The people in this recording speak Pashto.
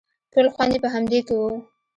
ټول خوند يې په همدې کښې و.